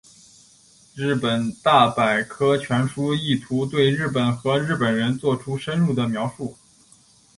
日本大百科全书意图对日本和日本人作出深入的描述。